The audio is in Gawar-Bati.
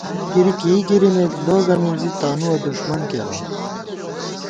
بۡلیایہ گری کېئی گِرِمېت لوگہ مِنزی تانُوَہ دݭمن کېرون